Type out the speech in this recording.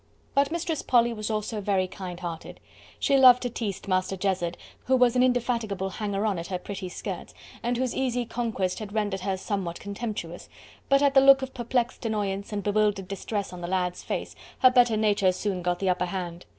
But Mistress Polly was also very kind hearted. She loved to tease Master Jezzard, who was an indefatigable hanger on at her pretty skirts, and whose easy conquest had rendered her somewhat contemptuous, but at the look of perplexed annoyance and bewildered distress in the lad's face, her better nature soon got the upper hand.